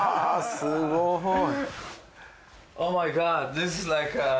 すごい。